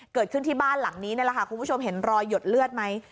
เกิดขึ้นที่บ้านหลังนี้คุณผู้ชมเห็นรอยหยดเลือดไหม